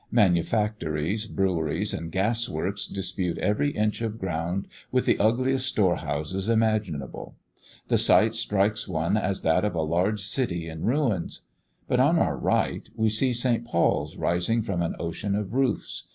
Manufactories, breweries and gas works dispute every inch of ground with the ugliest store houses imaginable. The sight strikes one as that of a large city in ruins. But on our right we see St. Paul's rising from an ocean of roofs.